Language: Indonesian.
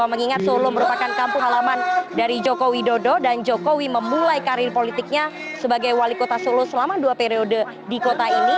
mengingat solo merupakan kampung halaman dari joko widodo dan jokowi memulai karir politiknya sebagai wali kota solo selama dua periode di kota ini